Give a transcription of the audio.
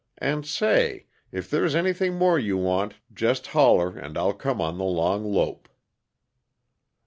And, say! If there's anything more you want, just holler, and I'll come on the long lope."